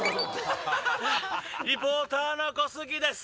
リポーターの小杉です。